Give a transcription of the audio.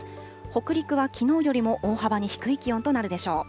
北陸はきのうよりも大幅に低い気温となるでしょう。